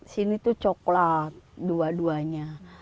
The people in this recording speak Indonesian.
sini tuh coklat dua duanya